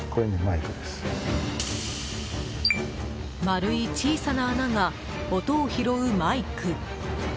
丸い小さな穴が音を拾うマイク。